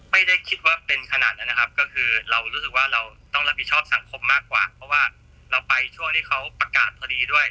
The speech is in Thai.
ไม่ได้คิดว่าเป็นขนาดนั้นนะครับก็คือเรารู้สึกว่าเราต้องรับผิดชอบสังคมมากกว่าเพราะว่าเราไปช่วงที่เขาประกาศพอดีด้วย